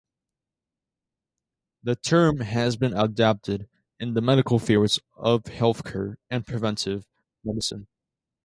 The term has been adopted in the medical fields of healthcare and preventive medicine.